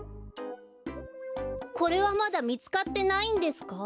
これはまだみつかってないんですか？